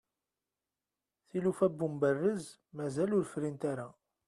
tilufa n umberrez mazal ur frint ara